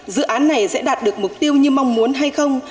dự án này sẽ đạt được mục tiêu như mong muốn hay không